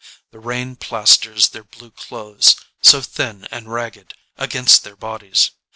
The rain plasters their blue clothes, so thin and ragged, against their bodies.